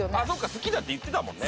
好きだって言ってたもんね